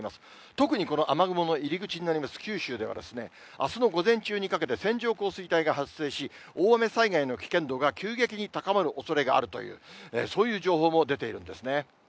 特にこの雨雲の入り口になります九州では、あすの午前中にかけて、線状降水帯が発生し、大雨災害の危険度が急激に高まるおそれがあるという、そういう情報も出ているんですね。